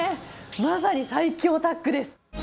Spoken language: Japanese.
まさに最強タッグです。